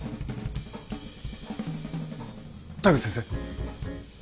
田口先生？